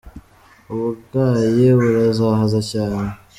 Uburwayi burazahaza cyane.